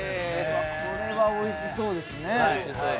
これはおいしそうですね。